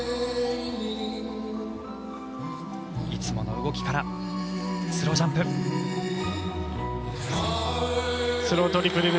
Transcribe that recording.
いつもの動きからスロージャンプ。